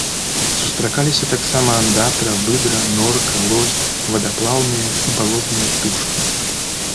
Сустракаліся таксама андатра, выдра, норка, лось, вадаплаўныя і балотныя птушкі.